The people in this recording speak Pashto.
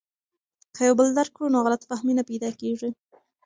که یو بل درک کړو نو غلط فهمي نه پیدا کیږي.